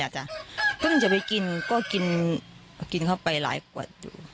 ก็ต้องกินเข้าไปหลายกวด